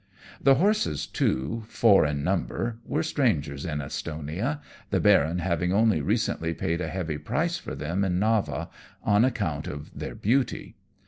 The horses, too, four in number, were strangers in Estonia, the Baron having only recently paid a heavy price for them in Nava on account of their beauty.